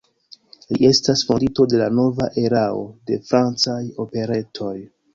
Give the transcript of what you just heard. Li estas fondinto de la nova erao de francaj operetoj.